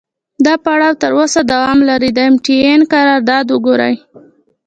دا پړاو تر اوسه دوام لري، د ام ټي اې قرارداد وګورئ.